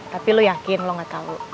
tapi lu yakin lu gak tahu